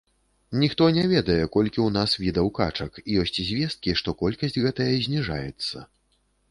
Ніхто не ведае, колькі ў нас відаў качак, ёсць звесткі, што колькасць гэтая зніжаецца.